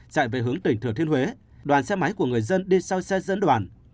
chạy về hướng tỉnh thừa thiên huế đoàn xe máy của người dân đi sau xe dẫn đoàn